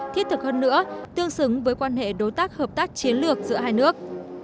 thiết thực hơn nữa tương xứng với quan hệ đối tác hợp tác chiến lược giữa hai nước